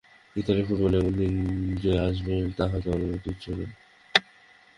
ইতালির ফুটবলে এমন দিন যে আসবে, তা হয়তো অনুমিতই ছিল।